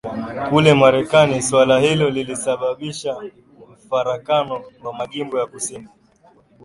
Kule Marekani suala hilo lilisababisha mfarakano wa majimbo ya kusini